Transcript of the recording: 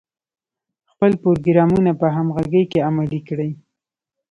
خپل پروګرامونه په همغږۍ کې عملي کړي.